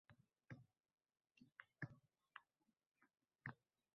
Koʻnglim ayniyapti…